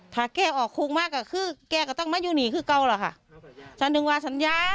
ถ้าแก่ออกคุกมากก็คือแก่ก็ต้องมาอยู่หนีคือเก่าล่ะค่ะ